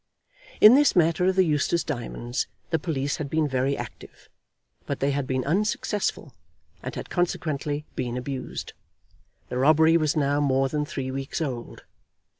In this matter of the Eustace diamonds the police had been very active; but they had been unsuccessful, and had consequently been abused. The robbery was now more than three weeks old.